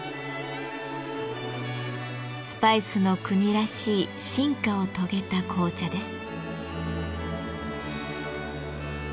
スパイスの国らしい進化を遂げた紅茶です。